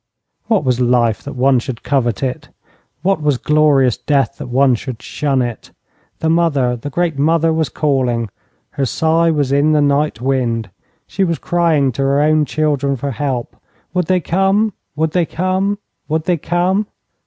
What was life that one should covet it? What was glorious death that one should shun it? The mother, the great mother, was calling. Her sigh was in the night wind. She was crying to her own children for help. Would they come? Would they come? Would they come?